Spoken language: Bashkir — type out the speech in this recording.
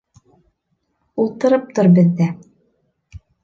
Ултырып тор беҙҙә.